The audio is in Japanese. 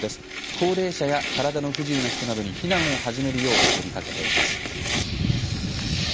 高齢者や体の不自由な人などに避難を始めるよう呼びかけています。